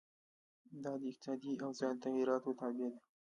دا د اقتصادي اوضاع د تغیراتو تابع ده.